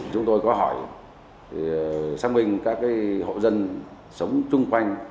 chúng tôi có hỏi xác minh các hộ dân sống chung quanh